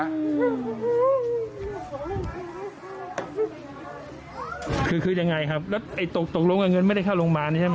คือยังไงครับแล้วไอ้ตกตกลงกับเงินไม่ได้เข้าโรงพยาบาลใช่ไหม